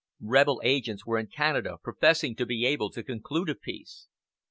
Rebel agents were in Canada professing to be able to conclude a peace.